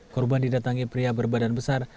korban didatangi pria berbadan besar